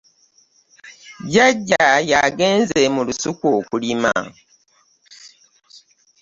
Jajja yagenze mu lusuku okulima.